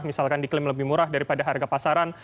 misalkan diklaim lebih murah daripada harga pasaran